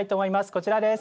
こちらです。